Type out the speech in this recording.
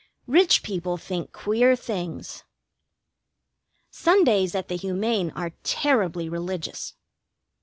Rich people think queer things. Sundays at the Humane are terribly religious.